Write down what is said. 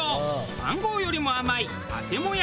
マンゴーよりも甘いアテモヤ。